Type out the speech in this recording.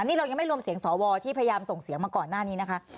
นี่เรายังไม่รวมเสียงสวที่พยายามส่งเสียงมาก่อนหน้านี้นะคะ